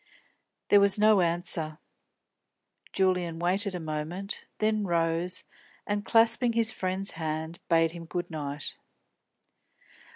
There was no answer. Julian waited a moment, then rose and, clasping his friend's hand, bade him good night.